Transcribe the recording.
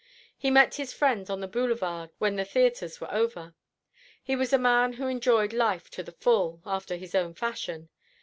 He met his friends on the Boulevard when the theatres were over. He was a man who enjoyed life to the full after his own fashion.